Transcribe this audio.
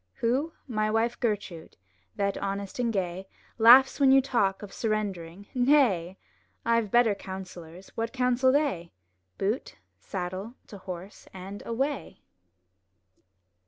*' Who? My wife Gertrude; that, honest and gay. Laughs when you talk of surrendering, ''Nay! I've better counsellors; what counsel they? Boot, saddle, to horse, and away!''